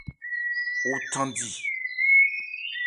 O thandi.